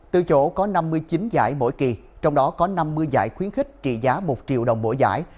từ chỗ có năm mươi chín giải mỗi kỳ trong đó có năm mươi giải khuyến khích trị giá một triệu đồng mỗi giải